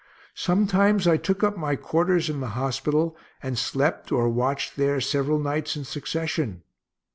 Sometimes I took up my quarters in the hospital, and slept or watched there several nights in succession.